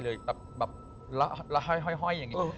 เห้ยอย่างนี้